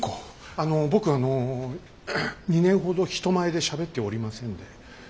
あの僕あの２年ほど人前でしゃべっておりませんで。